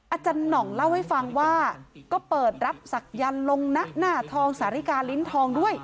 อาจารย์หน่องเล่าให้ฟังว่าก็เปิดรับศักยันต์ลงหน้าทองสาฬิกาลิ้นทองด้วย